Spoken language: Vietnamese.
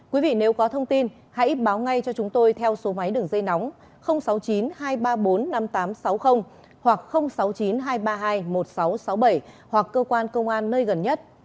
quý vị nếu có thông tin hãy báo ngay cho chúng tôi theo số máy đường dây nóng sáu mươi chín hai trăm ba mươi bốn năm nghìn tám trăm sáu mươi hoặc sáu mươi chín hai trăm ba mươi hai một nghìn sáu trăm sáu mươi bảy hoặc cơ quan công an nơi gần nhất